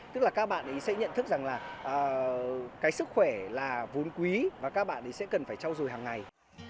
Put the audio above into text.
tức là các bạn ấy sẽ nhận thức rằng là cái sức khỏe là vốn quý và các bạn ấy sẽ cần phải trau dồi hàng ngày